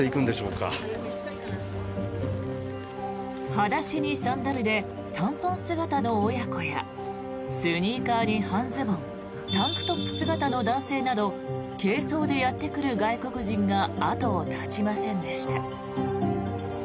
裸足にサンダルで短パン姿の親子やスニーカーに半ズボンタンクトップ姿の男性など軽装でやってくる外国人が後を絶ちませんでした。